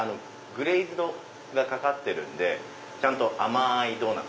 グレーズがかかってるのでちゃんと甘いドーナツ。